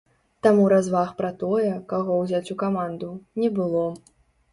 Таму разваг пра тое, каго ўзяць у каманду, не было.